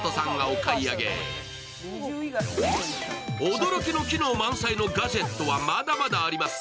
驚きの機能満載のガジェットはまだまだあります。